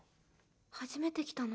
初めて来たの？